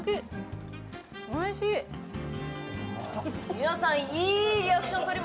皆さん、いいリアクション。